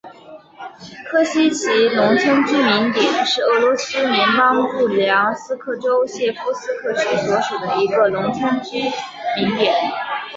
科西齐农村居民点是俄罗斯联邦布良斯克州谢夫斯克区所属的一个农村居民点。